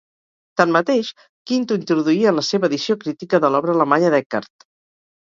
Tanmateix, Quint ho introduí en la seva edició crítica de l'obra alemanya d'Eckhart.